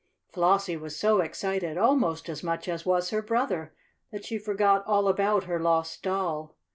Flossie was so excited almost as much as was her brother that she forgot all about her lost doll.